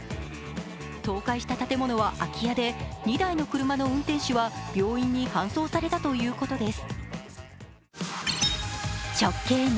倒壊した建物は空き家で２台の車の運転手は病院に搬送されたということです。